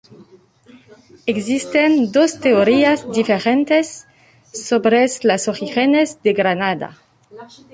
Existen dos teorías divergentes sobre los orígenes de Granada.